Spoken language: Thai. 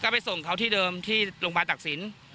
ไปส่งเขาที่เดิมที่โรงพยาบาลตักศิลป์